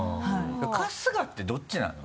春日ってどっちなの？